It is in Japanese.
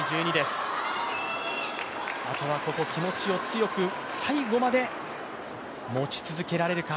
あとはここ、気持ちを強く最後まで持ち続けられるか。